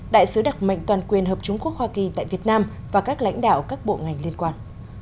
đại sứ đặc mệnh toàn quyền hợp trung quốc hoa kỳ tại việt nam và các lãnh đạo các bộ ngành liên quan